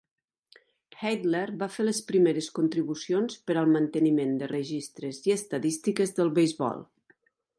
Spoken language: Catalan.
Heydler va fer les primeres contribucions per al manteniment de registres i estadístiques del beisbol.